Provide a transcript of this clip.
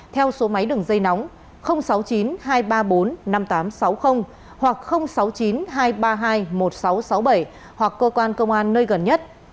theo số máy đường dây nóng sáu mươi chín hai trăm ba mươi bốn năm nghìn tám trăm sáu mươi hoặc sáu mươi chín hai trăm ba mươi hai một nghìn sáu trăm sáu mươi bảy hoặc cơ quan công an nơi gần nhất